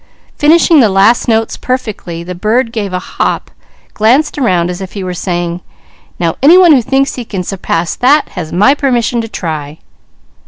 Finishing the last notes perfectly, the bird gave a hop, glanced around as if he were saying: "Now any one who thinks he can surpass that, has my permission to try."